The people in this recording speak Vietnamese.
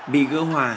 bị gỡ hòa